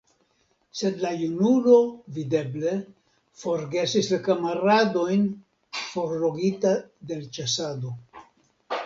Sed la junulo, videble, forgesis la kamaradojn, forlogita de l' ĉasado.